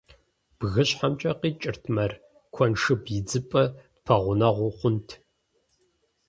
БгыщхьэмкӀэ къикӀырт мэр: куэншыб идзыпӀэ тпэгъунэгъу хъунт.